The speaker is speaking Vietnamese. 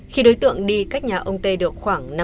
khi đối tượng đi cách nhà ông t được khoảng năm h